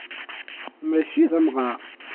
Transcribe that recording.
Mačči d amɣaṛ